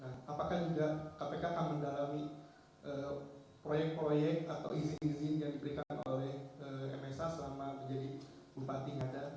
nah apakah juga kpk akan mendalami proyek proyek atau izin izin yang diberikan oleh msa selama menjadi bupati ngada